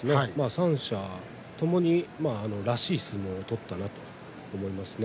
３者ともにらしい相撲を取ったなと思いますね。